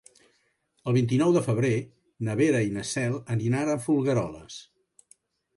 El vint-i-nou de febrer na Vera i na Cel aniran a Folgueroles.